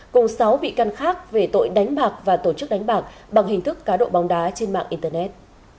cùng sáu bị can khác về tội đánh bạc và tổ chức đánh bạc bằng hình thức cá độ bóng đá trên mạng internet